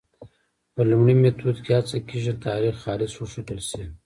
په لومړي میتود کې هڅه کېږي تاریخ خالص وښودل شي.